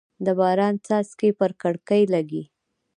د باران څاڅکي پر کړکۍ لګېږي.